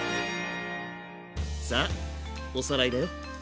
さあおさらいだよ。